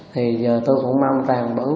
thì giờ tôi cũng mong toàn bữa